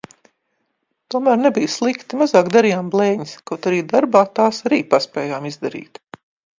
Tomēr nebija slikti, mazāk darījām blēņas, kaut arī darbā tās arī paspējām izdarīt.